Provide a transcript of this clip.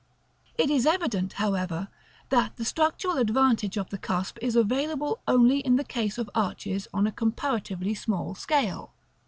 § XCVI. It is evident, however, that the structural advantage of the cusp is available only in the case of arches on a comparatively small scale.